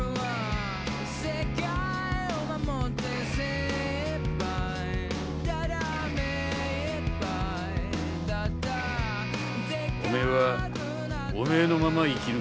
おめえはおめえのまま生き抜け。